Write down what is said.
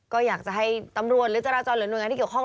ก็อยากจะให้ตำรวจหรือจราจรหรือหน่วยงานที่เกี่ยวข้อง